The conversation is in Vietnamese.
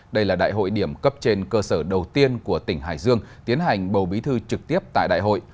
đây là đại hội điểm cấp trên cơ sở đầu tiên của tỉnh hải dương tiến hành bầu bí thư trực tiếp tại đại hội